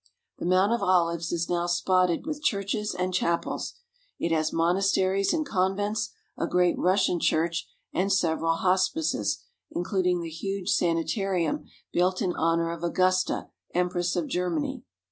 The Mount of Olives is now spotted with churches and chapels. It has monasteries and convents, a great Rus sian church, and several hospices, including the huge sani tarium built in honour of Augusta, Empress of Germany.